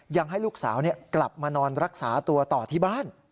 ยังให้ลูกสาวกลับมานอนรักษาตัวต่อที่บ้าน